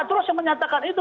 anda terus menyatakan itu